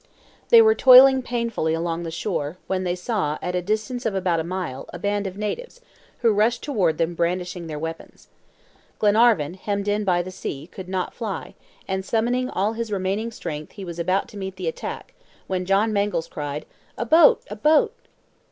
They were toiling painfully along the shore, when they saw, at a distance of about a mile, a band of natives, who rushed toward them brandishing their weapons. Glenarvan, hemmed in by the sea, could not fly, and summoning all his remaining strength he was about to meet the attack, when John Mangles cried: "A boat! a boat!"